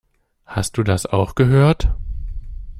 Hast du das auch gehört?